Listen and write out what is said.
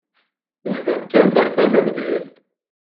Iban kan terfam mliḥ.